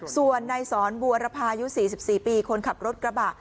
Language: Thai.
ส่วนในสอนบัวรภายุสี่สิบสี่ปีคนขับรถกระบะ